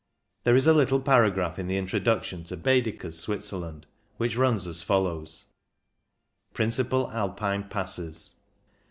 There is a little paragraph in the in troduction to Baedeker's Switzerland which runs as follows :—" Principal Alpine Passes.